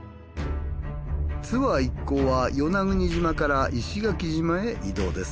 ツアー一行は与那国島から石垣島へ移動です。